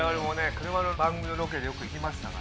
車の番組のロケでよく行きましたから。